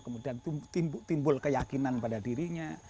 kemudian timbul keyakinan pada dirinya